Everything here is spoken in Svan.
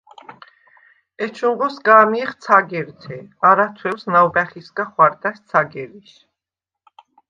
ეჩუნღო სგა̄მიეხ ცაგერთე. არა თუ̂ეუ̂ს ნაუ̂ბა̈ხისგა ხუ̂არდა̈ს ცაგერიშ.